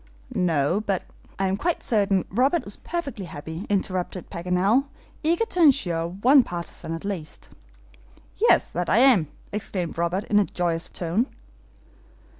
"No, but " "I am quite certain Robert is perfectly happy," interrupted Paganel, eager to insure one partisan at least. "Yes, that I am!" exclaimed Robert, in a joyous tone.